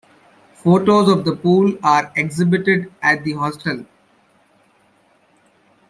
Photos of the pool are exhibited at the hostel.